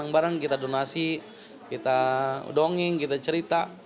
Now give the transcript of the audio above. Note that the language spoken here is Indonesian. barang barang kita donasi kita dongeng kita cerita